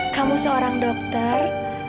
kamu seorang dokter